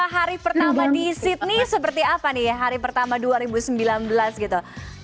hari pertama di sydney seperti apa nih ya hari pertama dua ribu sembilan belas gitu